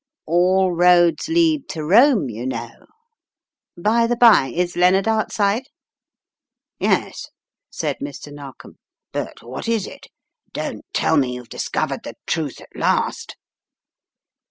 "All roads lead to Rome, you know. By the bye, is Lennard outside? " "Yes," said Mr. Narkom. "But what is it? Don't tell me you've discovered the truth at last?"